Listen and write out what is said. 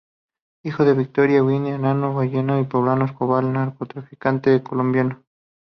Hijo de Victoria Eugenia Henao Vallejo y Pablo Escobar, narcotraficante colombiano.